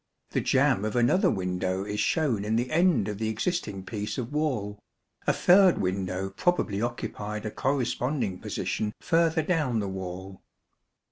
The jamb of another window is shown in the end of the existing piece of wall; a third window probably occupied a corresponding position further down the wall.